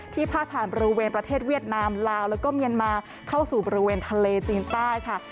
พาดผ่านบริเวณประเทศเวียดนามลาวแล้วก็เมียนมาเข้าสู่บริเวณทะเลจีนใต้ค่ะ